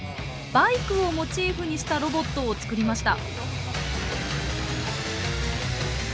バイクをモチーフにしたロボットを作りました。